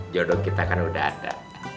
jodoh kita kan udah ada